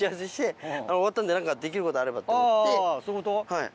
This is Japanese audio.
はい。